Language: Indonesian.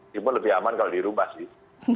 cuma lebih aman kalau dirubah sih